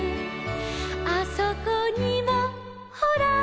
「あそこにもほら」